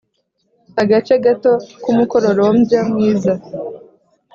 agace gato k'umukororombya mwiza